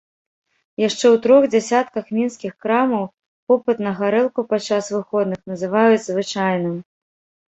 Яшчэ ў трох дзясятках мінскіх крамаў попыт на гарэлку падчас выходных называюць звычайным.